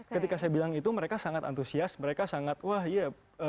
ketika saya bilang itu mereka sangat antusias mereka sangat wah iya